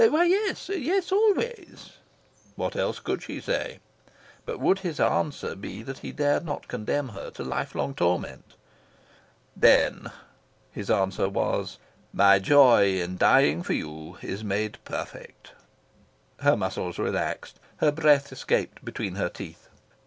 "Why yes!.. Y es always." What else could she say? But would his answer be that he dared not condemn her to lifelong torment? "Then," his answer was, "my joy in dying for you is made perfect." Her muscles relaxed. Her breath escaped between her teeth.